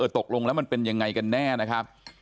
ตกลงแล้วมันเป็นยังไงกันแน่นะครับ